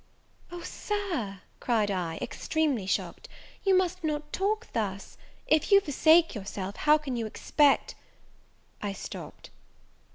"O, Sir," cried I, extremely shocked, "you must not talk thus! If you forsake yourself, how can you expect " I stopped.